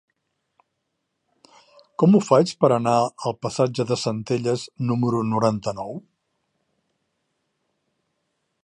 Com ho faig per anar al passatge de Centelles número noranta-nou?